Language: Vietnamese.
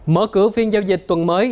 mở cửa phiên giao dịch tuần mới